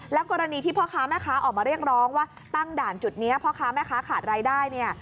กรณีที่พ่อค้าแม่ค้าออกมาเรียกร้องว่าตั้งด่านจุดนี้พ่อค้าแม่ค้าขาดรายได้เนี่ย